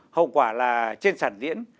hậu quả là trên sản diễn